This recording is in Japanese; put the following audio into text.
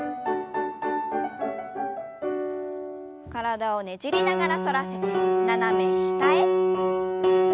体をねじりながら反らせて斜め下へ。